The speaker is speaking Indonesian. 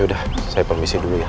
udah saya permisi dulu ya